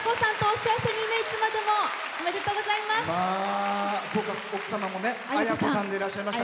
おめでとうございます。